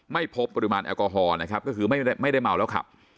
ไม่พบปริมาณแอลกอฮอล์นะครับก็คือไม่ได้เมาแล้วขับ